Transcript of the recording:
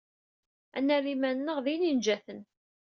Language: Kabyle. Ad nerr iman-nneɣ d ininjaten.